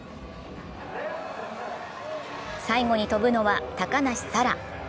最後に飛ぶのは高梨沙羅。